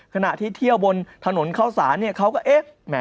ขณะที่เที่ยวบนถนนข้าวสารเขาก็เอ๊ะ